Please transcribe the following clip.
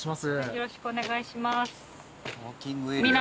よろしくお願いします。